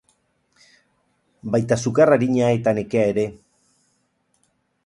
Baita sukar arina eta nekea ere.